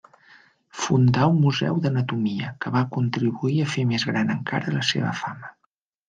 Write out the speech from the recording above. Fundà un Museu d'Anatomia, que va contribuir a fer més gran encara la seva fama.